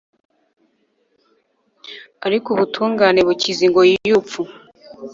ariko ubutungane bukiza ingoyi y’urupfu